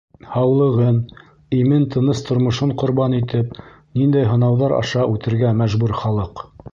Һаулығын, имен, тыныс тормошон ҡорбан итеп, ниндәй һынауҙар аша үтергә мәжбүр халыҡ?